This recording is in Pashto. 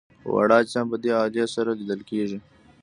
واړه اجسام په دې الې سره لیدل کیږي.